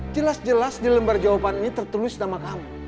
jelas jelas di lembar jawaban ini tertulis nama kamu